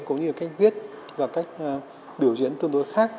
cũng như cách viết và cách biểu diễn tương đối khác